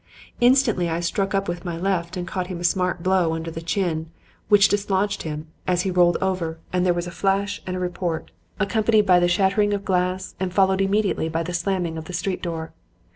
Instantly I struck up with my left and caught him a smart blow under the chin, which dislodged him; and as he rolled over there was a flash and a report, accompanied by the shattering of glass and followed immediately by the slamming of the street door.